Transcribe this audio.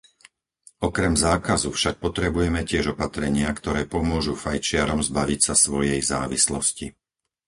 Okrem zákazu však potrebujeme tiež opatrenia, ktoré pomôžu fajčiarom zbaviť sa svojej závislosti.